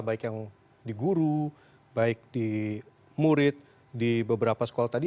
baik yang di guru baik di murid di beberapa sekolah tadi